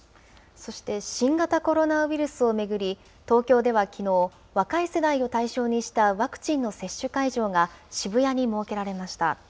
そして、新型コロナウイルスを巡り、東京ではきのう、若い世代を対象にしたワクチンの接種会場が渋谷に設けられました。